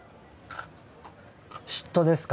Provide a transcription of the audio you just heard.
嫉妬ですか？